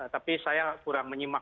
tapi saya kurang menyimak